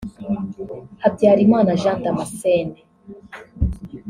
Habyarimana Jean Damascene